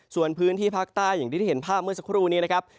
ส่วนพื้นที่ภาคใต้อย่างที่ได้เห็นภาพเมื่อสักครู่นี้นะครับ